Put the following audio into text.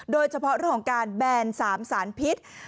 โดยเฉพาะเรื่องของการแบน๓สารพิษ